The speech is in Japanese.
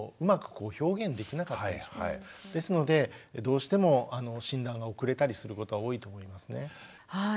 ですのでどうしても診断が遅れたりすることは多いと思いますね。